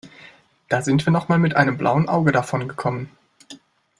Da sind wir noch mal mit einem blauen Auge davongekommen.